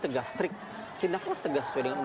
tegas strict tindaklah tegas sesuai dengan